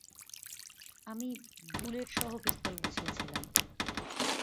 আমি বুলেটসহ পিস্তল বুঝিয়েছিলাম।